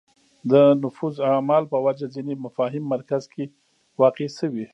د نفوذ اعمال په وجه ځینې مفاهیم مرکز کې واقع شوې